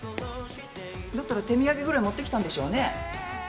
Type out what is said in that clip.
だったら手土産ぐらい持ってきたんでしょうね？